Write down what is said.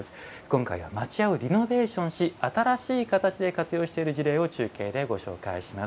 今回は町家をリノベーションし新しい形での事例を中継でご紹介します。